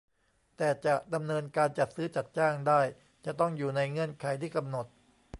แต่จะดำเนินการจัดซื้อจัดจ้างได้จะต้องอยู่ในเงื่อนไขที่กำหนด